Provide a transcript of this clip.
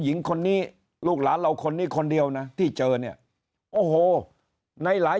หญิงคนนี้ลูกหลานเราคนนี้คนเดียวนะที่เจอเนี่ยโอ้โหในหลาย